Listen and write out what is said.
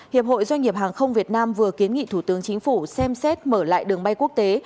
hiệp hội doanh nghiệp hàng không việt nam vừa kiến nghị thủ tướng chính phủ xem xét mở lại đường bay quốc tế